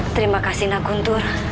terima kasih nak guntur